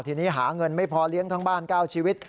ทีนี้หาเงินไม่พอเลี้ยงทั้งบ้าน๙ชีวิต